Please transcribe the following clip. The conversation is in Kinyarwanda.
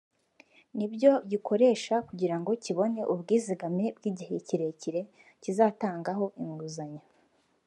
nibyo gikoresha kugirango kibone ubwizigame bw’igihe kirekire kizatangaho inguzanyo